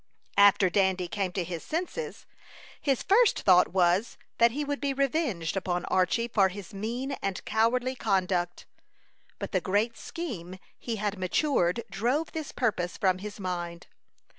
After Dandy came to his senses, his first thought was, that he would be revenged upon Archy for his mean and cowardly conduct; but the great scheme he had matured drove this purpose from his mind.